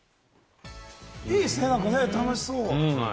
いいですね、楽しそう！